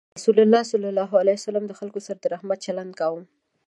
رسول الله صلى الله عليه وسلم د خلکو سره د رحمت چلند کاوه.